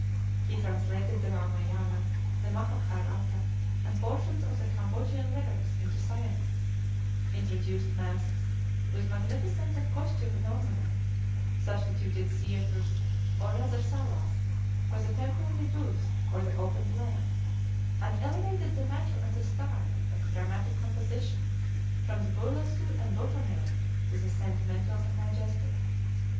He translated the Ramayana, the Mahabharata, and portions of the Cambodian lyrics into Siamese; introduced masks, with magnificence of costume and ornament; substituted theatres, or rather salas, for the temporary booth or the open plain; and elevated the matter and the style of dramatic compositions from the burlesque and buffoonery to the sentimental and majestic.